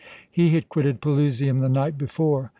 He had quitted Pelusium the night before.